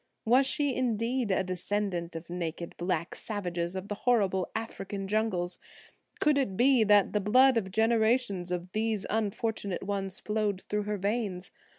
Was she, indeed, a descendant of naked black savages of the horrible African jungles? Could it be that the blood of generations of these unfortunate ones flowed through her veins?